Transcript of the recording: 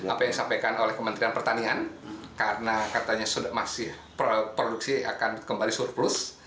apa yang disampaikan oleh kementerian pertanian karena katanya sudah masih produksi akan kembali surplus